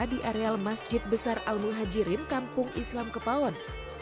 di areal masjid besar al muhajirin kampung islam kepaon